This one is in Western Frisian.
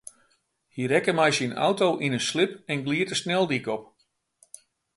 Hy rekke mei syn auto yn in slip en glied de sneldyk op.